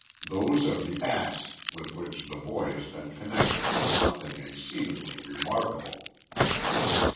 Those are the acts with which the boy has been connected, something exceedingly remarkable.